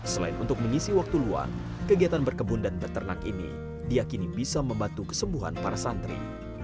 selain untuk mengisi waktu luang kegiatan berkebun dan beternak ini diakini bisa membantu kesembuhan para santri